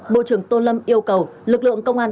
bộ trưởng tô lâm yêu cầu lực lượng công an